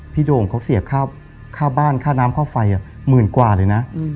พี่โด่งเขาเสียบข้าวข้าวบ้านข้าน้ำข้าวไฟอ่ะหมื่นกว่าเลยนะอืม